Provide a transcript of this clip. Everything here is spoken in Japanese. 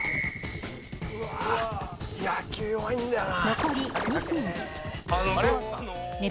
うわ野球弱いんだよな。